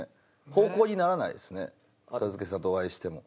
方向にならないですね一茂さんとお会いしても。